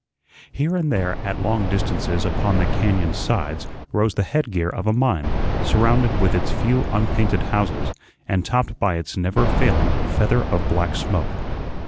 Here and there at long distances upon the cañón sides rose the headgear of a mine, surrounded with its few unpainted houses, and topped by its never failing feather of black smoke.